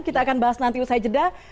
kita akan bahas nanti usai jeda